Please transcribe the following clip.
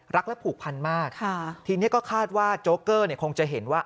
รักและผูกพันธุ์มากทีนี้ก็คาดว่าโจเกอร์คงจะเห็นว่า